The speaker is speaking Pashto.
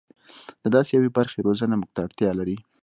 د داسې یوې برخې روزنه موږ ته اړتیا لري.